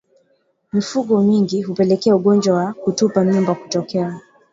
Mifugo mingi hupelekea ugonjwa wa kutupa mimba kutokea